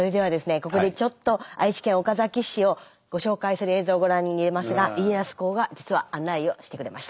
ここでちょっと愛知県岡崎市をご紹介する映像をご覧にいれますが家康公が実は案内をしてくれました。